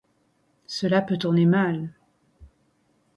Cela peut tourner mal...